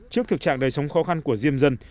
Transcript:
trước thực trạng đời sống khó khăn của diêm dân